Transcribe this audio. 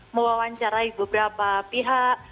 mewawancarai beberapa pihak